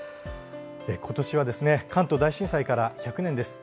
今年は関東大震災から１００年です。